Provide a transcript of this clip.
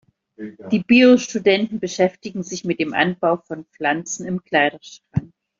Die Bio-Studenten beschäftigen sich mit dem Anbau von Pflanzen im Kleiderschrank.